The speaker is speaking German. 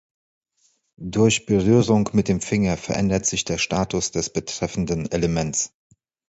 Durch Berührung mit dem Finger verändert sich der Status des betreffenden Elements.